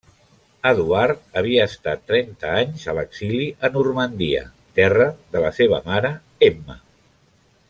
Eduard havia estat trenta anys a l'exili a Normandia, terra de la seva mare Emma.